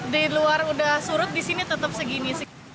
di luar udah surut di sini tetap segini